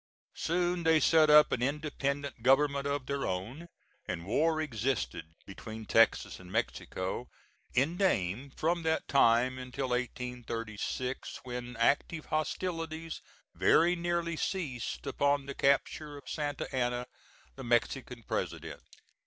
Soon they set up an independent government of their own, and war existed, between Texas and Mexico, in name from that time until 1836, when active hostilities very nearly ceased upon the capture of Santa Anna, the Mexican President.